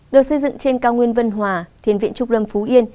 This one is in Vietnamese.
được xây dựng trên cao nguyên vân hòa thiền viện trúc lâm phú yên